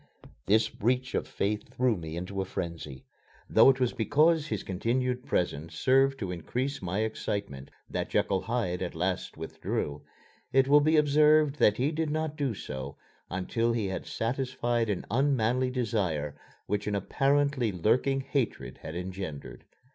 This breach of faith threw me into a frenzy. Though it was because his continued presence served to increase my excitement that Jekyll Hyde at last withdrew, it will be observed that he did not do so until he had satisfied an unmanly desire which an apparently lurking hatred had engendered.